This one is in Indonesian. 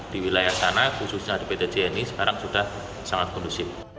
di wilayah sana khususnya di pt jni sekarang sudah sangat kondusif